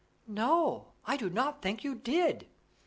"No, I do not think you did."